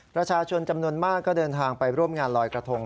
ประชาชนจำนวนมากก็เดินทางไปร่วมงานลอยกระทง